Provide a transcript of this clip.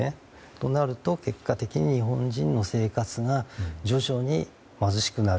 となると結果的に日本人の生活が徐々に貧しくなる。